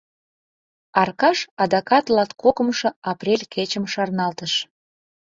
Аркаш адакат латкокымшо апрель кечым шарналтыш.